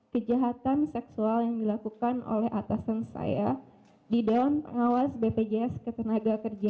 kejahatan seksual yang dilakukan oleh atasan saya di dewan pengawas bpjs ketenaga kerjaan